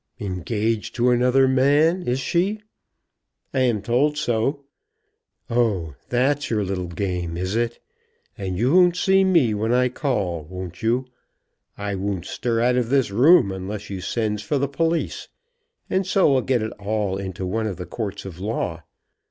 "Engaged to another man; is she?" "I am told so." "Oh; that's your little game, is it? And you won't see me when I call, won't you? I won't stir out of this room unless you sends for the police, and so we'll get it all into one of the courts of law.